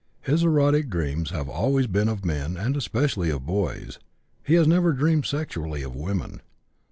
His erotic dreams have always been of men and especially of boys; he has never dreamed sexually of women.